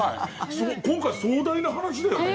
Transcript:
今回、壮大な話だよね？